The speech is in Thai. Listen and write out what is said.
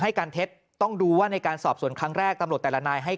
ให้การเท็จต้องดูว่าในการสอบสวนครั้งแรกตำรวจแต่ละนายให้